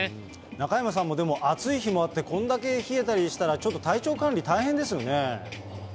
中山さんも暑い日もあって、こんだけ冷えたりしたら、ちょっと体調管理、大変ですよね。